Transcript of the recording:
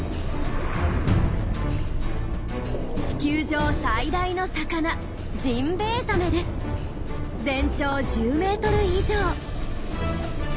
地球上最大の魚全長１０メートル以上。